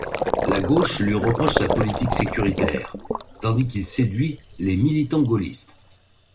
La gauche lui reproche sa politique sécuritaire, tandis qu'il séduit les militants gaullistes.